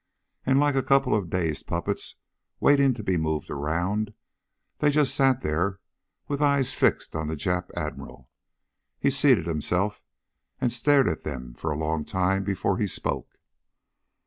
And like a couple of dazed puppets waiting to be moved around, they just sat there with eyes fixed on the Jap Admiral. He seated himself, and stared at them for a long time before he spoke.